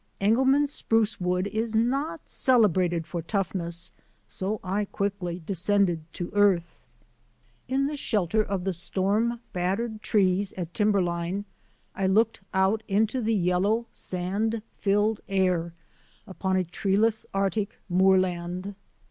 Engelmann spruce wood is not celebrated for toughness so I quickly descended to earth. In the shelter of the storm battered trees at timberline I looked out into the yellow, sand filled air upon a treeless Arctic moorland.